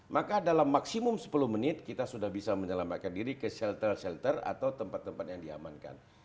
maka dalam maksimum sepuluh menit kita sudah bisa menyelamatkan diri ke shelter shelter atau tempat tempat yang diamankan